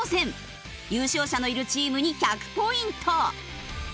優勝者のいるチームに１００ポイント。